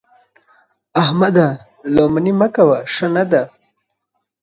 احمده! لو منې مه کوه؛ ښه نه ده.